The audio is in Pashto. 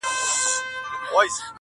یوه ورځ وو پیر بازار ته راوتلی -